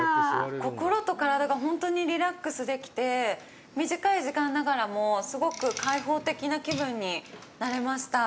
心と体が本当にリラックスできて短い時間ながらもすごく開放的な気分になれました。